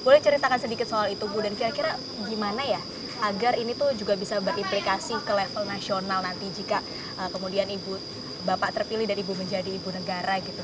boleh ceritakan sedikit soal itu bu dan kira kira gimana ya agar ini tuh juga bisa berimplikasi ke level nasional nanti jika kemudian ibu bapak terpilih dari ibu menjadi ibu negara gitu